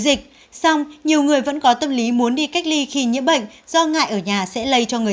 dịch xong nhiều người vẫn có tâm lý muốn đi cách ly khi nhiễm bệnh do ngại ở nhà sẽ lây cho người